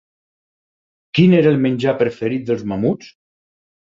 Quin era el menjar preferit dels mamuts?